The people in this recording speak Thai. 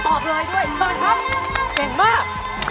ออกเลยด้วยโอเคครับเก่งมาก